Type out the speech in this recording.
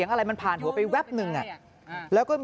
กำลังจะกลับบ้านแล้วมันถูกไล่ยิง